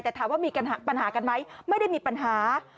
แต่ถามว่ามีปัญหากันไหมไม่ได้มีปัญหา